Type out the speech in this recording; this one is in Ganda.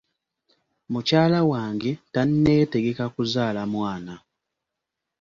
Mukyala wange tanneetegeka kuzaala mwana.